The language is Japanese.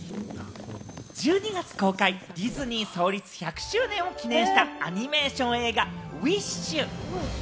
１２月公開、ディズニー創立１００周年を記念したアニメーション映画『ウィッシュ』。